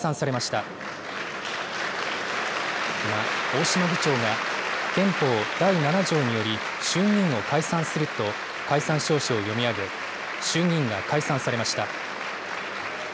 今、大島議長が、憲法第７条により、衆議院を解散すると解散詔書を読み上げ、衆議院が解散されました。